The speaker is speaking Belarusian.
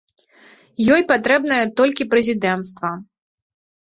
Ёй патрэбнае толькі прэзідэнцтва.